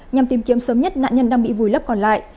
nhằm tìm kiếm sớm nhất nạn nhân đang bị vùi lấp còn lại